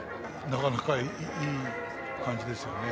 なかなかいい感じですよね。